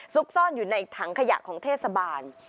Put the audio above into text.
ซ่อนอยู่ในถังขยะของเทศบาล